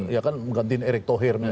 ya kan menggantiin erik tohirnya